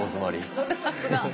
おさすが！